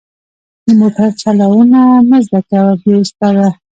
د موټر چلوونه مه زده کوه بې استاده.